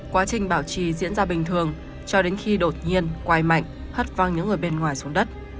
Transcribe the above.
quá trình bảo trì diễn ra bình thường cho đến khi đột nhiên quay mạnh hất văng những người bên ngoài xuống đất